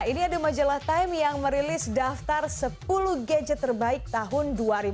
ini ada majalah time yang merilis daftar sepuluh gadget terbaik tahun dua ribu dua puluh